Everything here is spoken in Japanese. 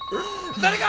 誰か！